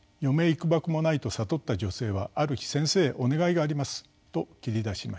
いくばくもないと悟った女性はある日「先生お願いがあります」と切り出しました。